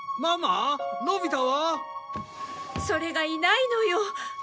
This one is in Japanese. それがいないのよ。